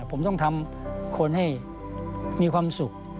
ผมต้องทำคนให้มีความสุข